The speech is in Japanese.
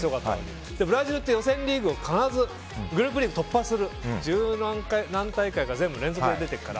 ブラジルって予選リーグを必ずグループリーグを突破する十何大会か連続で出てるから。